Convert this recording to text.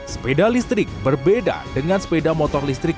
sepeda listrik berbeda dengan sepeda motor listrik